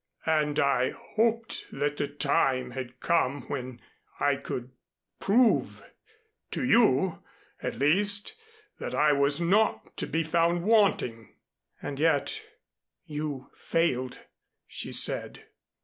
And I hoped that the time had come when I could prove to you, at least, that I was not to be found wanting." "And yet you failed," she said.